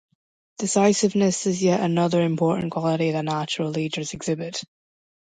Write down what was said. Decisiveness is yet another important quality that natural leaders exhibit.